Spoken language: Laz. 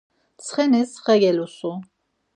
Ntsxenis xe gelusu.